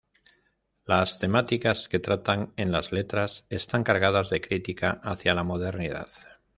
Las temáticas que tratan en las letras están cargadas de crítica hacia la modernidad.